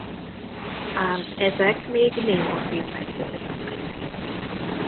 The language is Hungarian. Ám ezek még némafilmek voltak.